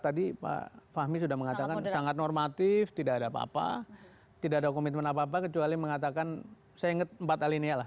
tadi pak fahmi sudah mengatakan sangat normatif tidak ada apa apa tidak ada komitmen apa apa kecuali mengatakan saya ingat empat alinia lah